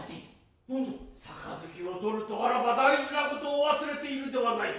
盃を取るとあらば大事なことを忘れているではないか。